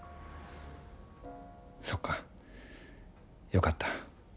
そっかよかった。